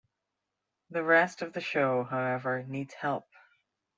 The rest of the show, however, needs help.